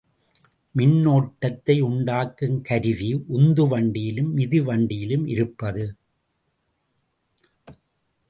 மின்னோட்டத்தை உண்டாக்கும் கருவி உந்து வண்டியிலும் மிதிவண்டியிலும் இருப்பது.